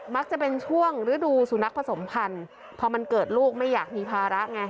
จะเป็นช่วงฤดูสุนัขผสมพันธุ์พอมันเกิดลูกไม่อยากมีภาระไง